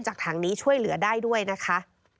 ถังนี้ช่วยเหลือได้ด้วยนะคะ